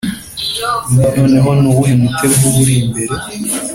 Noneho nuwuhe mutego uba urimbere